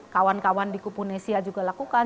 kawan kawan di kuponesia juga lakukan